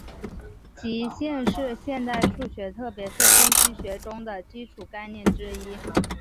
极限是现代数学特别是分析学中的基础概念之一。